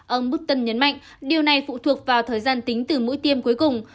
ông budu nhấn mạnh điều này phụ thuộc vào thời gian tính từ mũi tiêm cuối cùng